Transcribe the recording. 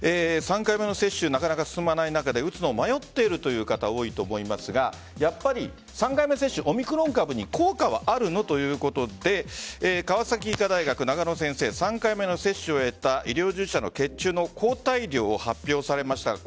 ３回目の接種なかなか進まない中で打つのを迷っているという方多いと思いますがやっぱり３回目接種オミクロン株に効果はあるの？ということで川崎医科大学、中野先生３回目の接種をやった医療従事者の血中の抗体量、発表されました。